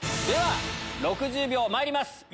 では６０秒まいります。